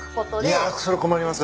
いやそれ困ります。